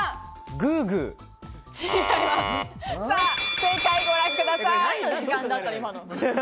正解、ご覧ください。